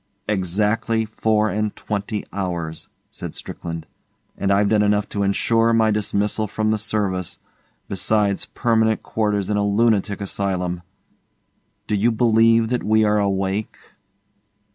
'Exactly four and twenty hours!' said Strickland. 'And I've done enough to ensure my dismissal from the service, besides permanent quarters in a lunatic asylum. Do you believe that we are awake?